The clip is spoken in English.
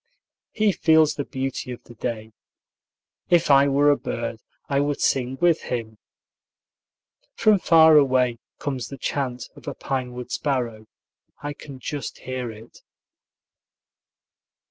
He feels the beauty of the day. If I were a bird, I would sing with him. From far away comes the chant of a pine wood sparrow. I can just hear it.